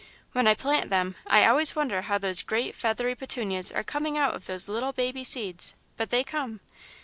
When I plant them, I always wonder how those great, feathery petunias are coming out of those little, baby seeds, but they come.